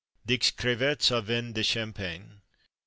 Dix Crevettes au Vin de Champagne.